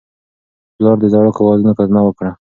پلار د زاړه کاغذونو کتنه وکړه